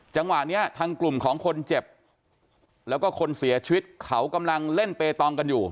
จังหวะนี้ทางกลุ่มของคนเจ็บแล้วก็คนเสียชีวิตเขากำลังเล่นเปตองกันอยู่